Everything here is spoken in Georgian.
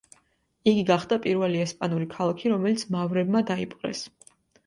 იგი გახდა პირველი ესპანური ქალაქი, რომელიც მავრებმა დაიპყრეს.